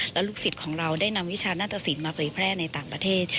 และลูกศิษย์ของเราได้นำวิชาหน้าตสินมาเผยแพร่ในต่างประเทศ